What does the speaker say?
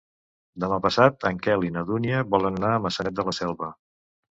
Demà passat en Quel i na Dúnia volen anar a Maçanet de la Selva.